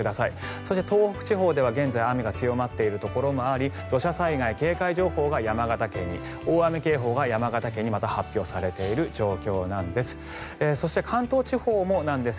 そして、東北地方では現在、雨が強まっているところもあり土砂災害警戒情報が山形県に大雨警報がまた山形県に発表されている状況なんです。